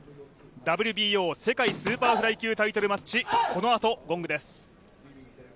ＷＢＯ世界スーパーフライ級タイトルマッチ、このあとゴングです。